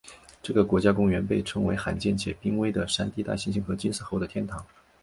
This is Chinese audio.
这个国家公园被称为罕见且濒危的山地大猩猩和金丝猴的天堂。